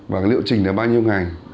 và liệu trình được bao nhiêu ngày